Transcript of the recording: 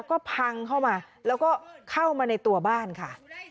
ก็พังเข้ามาแล้วก็เข้ามาในตัวบ้านค่ะ